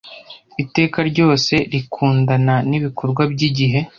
Iteka ryose rikundana nibikorwa byigihe